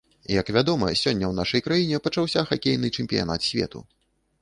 Як вядома, сёння ў нашай краіне пачаўся хакейны чэмпіянат свету.